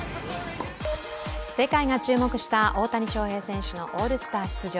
世界が注目した大谷翔平選手のオールスター出場。